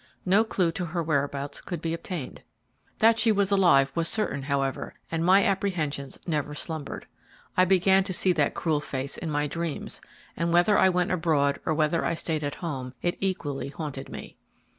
No clue to her whereabouts could be obtained. That she was alive was certain, however, and my apprehensions never slumbered. I began to see that cruel face in my dreams, and whether I went abroad or whether I stayed at home, it equally haunted me.